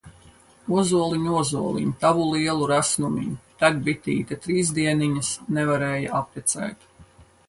Ozoliņ, ozoliņ, Tavu lielu resnumiņu! Tek bitīte trīs dieniņas, Nevarēja aptecēt!